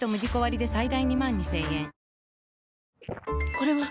これはっ！